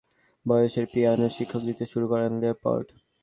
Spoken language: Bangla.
মেয়ে নার্নেলকে মাত্র সাত বছর বয়সেই পিয়ানো প্রশিক্ষণ দিতে শুরু করেন লিওপোল্ড।